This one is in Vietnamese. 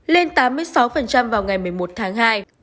lên tám mươi sáu vào ngày một mươi một tháng hai